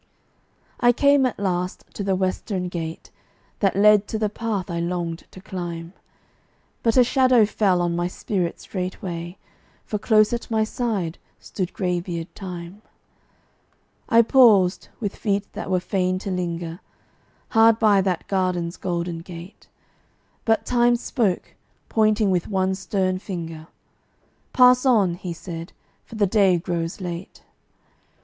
I came at last to the western gateway, That led to the path I longed to climb; But a shadow fell on my spirit straightway, For close at my side stood gray beard Time. I paused, with feet that were fain to linger, Hard by that garden's golden gate, But Time spoke, pointing with one stern finger; "Pass on," he said, "for the day groes late."